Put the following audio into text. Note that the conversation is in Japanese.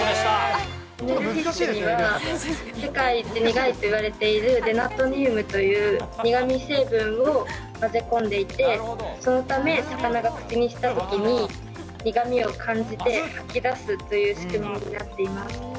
エネルフィッシュには、世界一苦いといわれているデナトニウムという苦み成分を混ぜ込んでいて、そのため、魚が口にしたときに、苦みを感じて、吐き出すという仕組みになっています。